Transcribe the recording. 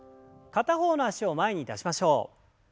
片方の脚を前に出しましょう。